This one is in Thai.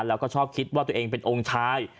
แล้วก็ชอบคิดว่าตัวเองเป็นองค์ชาย